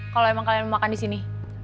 kalau emang kalian makan di sini